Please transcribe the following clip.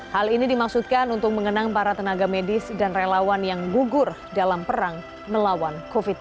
hal ini dimaksudkan untuk mengenang para tenaga medis dan relawan yang gugur dalam perang melawan covid sembilan belas